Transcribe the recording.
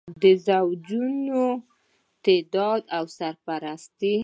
د زوجونو تعدد او سرپرستي.